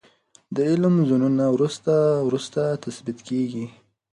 د علم زونونه وروسته وروسته تثبیت کیږي.